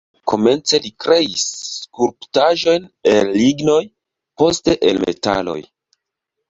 Komence li kreis skulptaĵojn el lignoj, poste el metaloj.